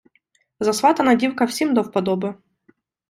Засватана дівка всім до вподоби.